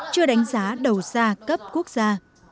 chưa đánh giá đầu gia cấp quốc gia